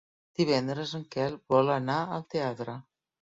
Divendres en Quel vol anar al teatre.